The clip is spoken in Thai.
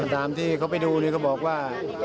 ตามที่เขาไปดูเขาบอกว่า